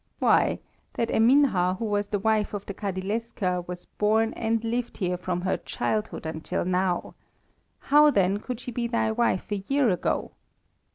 Why, that Eminha who was the wife of the Kadilesker was born and lived here from her childhood until now; how, then, could she be thy wife a year ago?